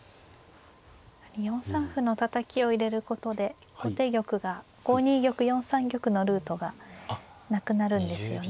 ４三歩のたたきを入れることで後手玉が５二玉４三玉のルートがなくなるんですよね。